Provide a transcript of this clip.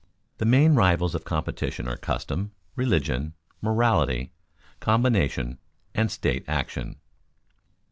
_The main rivals of competition are custom, religion, morality, combination, and state action.